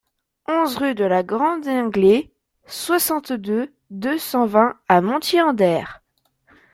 onze rue de la Grande Inglée, cinquante-deux, deux cent vingt à Montier-en-Der